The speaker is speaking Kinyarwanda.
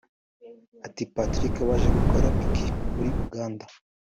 ati “Patrick waje gukora iki muri Uganda